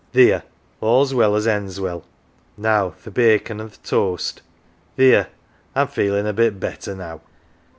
Theer ! all's well as ends well. Now th' bacon, an' th' toast. Theer ! I'm feelin' a bit better now."